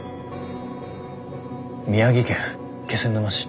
「宮城県気仙沼市。